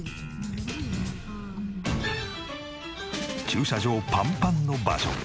駐車場パンパンの場所。